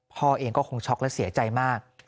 พ่อเองก็คงช็อกและเสียใจมาก